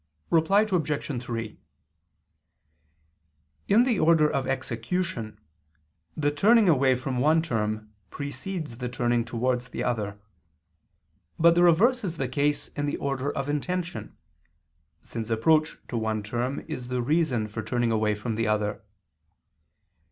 Reply Obj. 3: In the order of execution, the turning away from one term precedes the turning towards the other. But the reverse is the case in the order of intention: since approach to one term is the reason for turning away from the other.